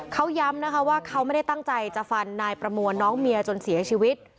เขาย้ำนะคะว่าเขาไม่ได้ตั้งใจจะฟันนายประมวลน้องเมียจนเสียชีวิต